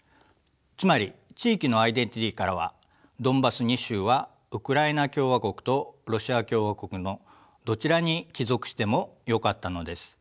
つまり地域のアイデンティティーからはドンバス２州はウクライナ共和国とロシア共和国のどちらに帰属してもよかったのです。